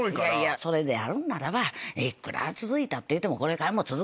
それであるんならばいくら続いたっていうてもこれからも続くわけですよ。